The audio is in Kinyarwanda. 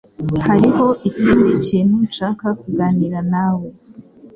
Hariho ikindi kintu nshaka kuganira nawe.